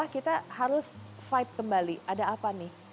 kita harus vibe kembali ada apa nih